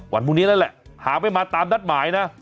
วันพรุ่งนี้นั่นแหละหากไม่มาตามนัดหมายนะ